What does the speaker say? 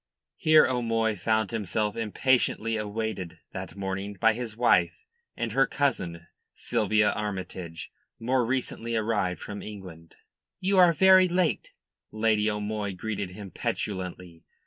Here O'Moy found himself impatiently awaited that morning by his wife and her cousin, Sylvia Armytage, more recently arrived from England. "You are very late," Lady O'Moy greeted him petulantly.